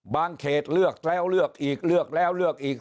เขตเลือกแล้วเลือกอีกเลือกแล้วเลือกอีก